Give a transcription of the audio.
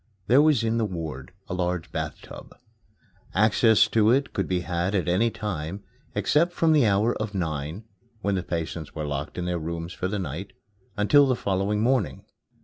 There was in the ward a large bath tub. Access to it could be had at any time, except from the hour of nine (when the patients were locked in their rooms for the night) until the following morning.